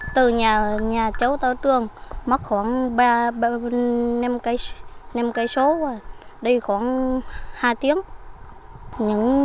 từ nhà cháu tạo trường mất khoảng năm km rồi đi khoảng hai tiếng